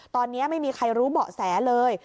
ตอนนี้ไม่มีใครรู้เบาะแสเลย